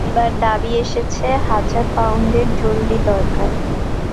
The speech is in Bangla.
এবার দাবি এসেছে হাজার পাউন্ডের– জরুরি দরকার।